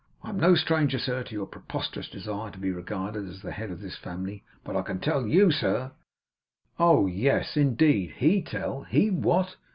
I am no stranger, sir, to your preposterous desire to be regarded as the head of this family, but I can tell YOU, sir ' Oh yes, indeed! HE tell. HE! What?